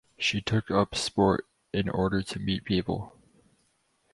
She took up sport in order to meet people.